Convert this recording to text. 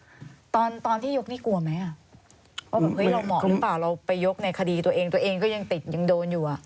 แล้วความที่ยกนี่กลัวไหมว่าเห้ยเราเหมาะหรือเปล่าเราไปยกในคดีตัวเองตัวเองก็ยังติดยังโดนอยู่